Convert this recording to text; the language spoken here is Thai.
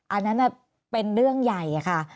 อันนั้นเป็นเรื่องใหญ่ค่ะ